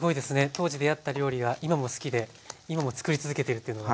当時出会った料理が今も好きで今もつくり続けているっていうのが。